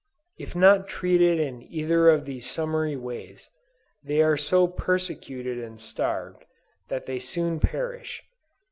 If not treated in either of these summary ways, they are so persecuted and starved, that they soon perish.